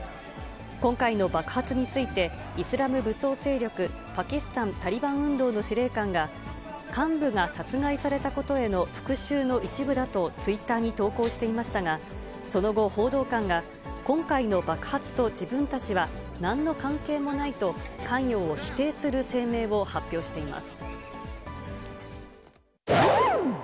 今回の爆発について、イスラム武装勢力パキスタン・タリバン運動の司令官が、幹部が殺害されたことへの復しゅうの一部だと、ツイッターに投稿していましたが、その後、報道官が、今回の爆発と自分たちは、なんの関係もないと、関与を否定する声明を発表しています。